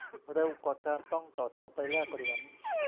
เร็วกว่าการต้องต่อแถวไปแลกเหรียญ